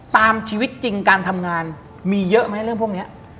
ตามชีวิตจริงการทำงานมีเยอะไหมเรื่องพวกนี้